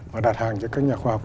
và đặt hàng cho các nhà khoa học